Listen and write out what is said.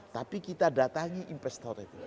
tapi kita datangi investor itu